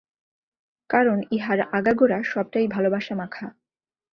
কারণ, ইহার আগাগোড়া সবটাই ভালবাসা-মাখা।